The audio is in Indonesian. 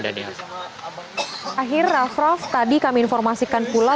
dan yang terakhir ralf ralf tadi kami informasikan pula